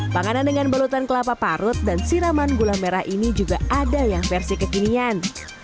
panganan dengan balutan kelapa parut dan siraman gula merah ini juga ada yang versi kekinian